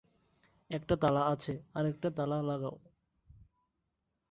একটা তালা আছে, আরেকটা তালা লাগাও।